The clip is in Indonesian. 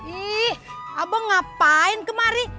ih abang ngapain kemari